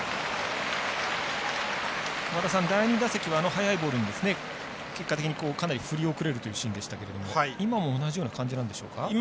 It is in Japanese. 第２打席は速いボールに結果的にかなり振り遅れてましたが今も同じような感じなんでしょうか。